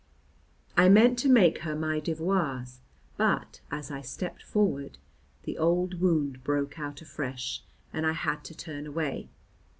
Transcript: I meant to make her my devoirs, but, as I stepped forward, the old wound broke out afresh, and I had to turn away.